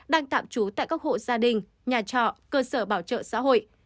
đang tạm trú tại các hộ gia đình nhà trọ cơ sở bảo trợ xã hội